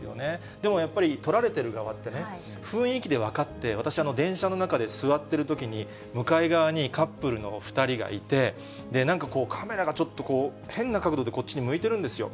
でもやっぱり、撮られてる側ってね、雰囲気で分かって、私、電車の中で座ってるときに、向かい側にカップルの２人がいて、なんかこう、カメラがちょっとこう、変な角度でこっちに向いてるんですよ。